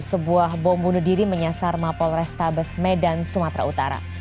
sebuah bom bunuh diri menyasar mapol restabes medan sumatera utara